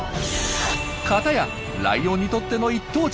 かたやライオンにとっての一等地！